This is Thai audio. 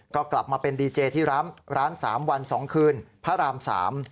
ก็กลับมาเป็นดีเจที่ร้าน๓วัน๒คืนพระราม๓